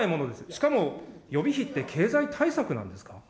しかも、予備費って経済対策なんですか。